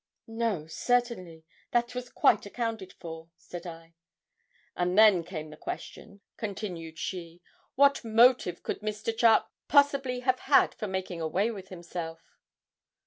'No, certainly; that was quite accounted for,' said I. 'And then came the question,' continued she, 'what motive could Mr. Charke possibly have had for making away with himself.'